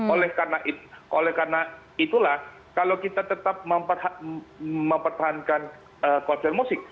oleh karena itulah kalau kita tetap mempertahankan konser musik